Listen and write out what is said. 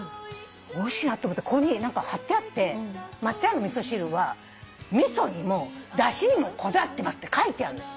おいしいなと思ってここに何か張ってあって「松屋の味噌汁は味噌にもだしにもこだわってます」って書いてあるの。